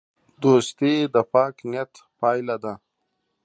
دوستي د پاک نیت پایله ده.